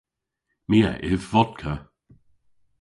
My a yv vodka.